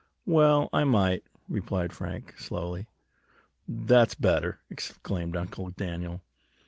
"Well, I might," replied Frank, slowly. "That's better!" exclaimed Uncle Daniel.